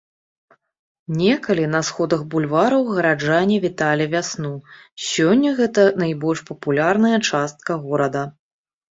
Некалі на сходах бульвараў гараджане віталі вясну, сёння гэта найбольш папулярная частка горада.